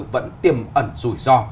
vẫn tiềm ẩn rủi ro